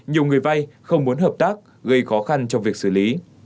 nhiều người vay không muốn hợp tác gây khó khăn trong việc xử lý